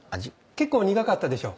結構苦かったでしょう。